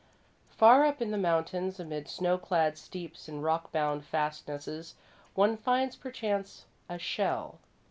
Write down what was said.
Far up in the mountains, amid snow clad steeps and rock bound fastnesses, one finds, perchance, a shell.